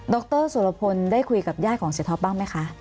รสุรพลได้คุยกับญาติของเสียท็อปบ้างไหมคะ